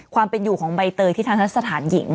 ความเป็นอยู่ของใบเตยที่ทันทะสถานหญิง